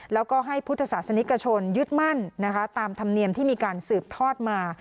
แล้วก็ให้พุทธศาสนิกชนยึดมั่นนะคะตามธรรมเนียมที่มีการสืบทอดมา